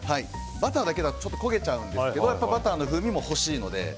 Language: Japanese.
バターだけだと焦げちゃうんですがバターの風味も欲しいので。